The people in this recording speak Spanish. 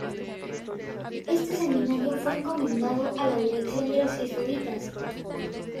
Este Seminario fue encomendado a la dirección de los Jesuitas.